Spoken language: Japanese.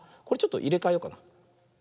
これちょっといれかえようかな。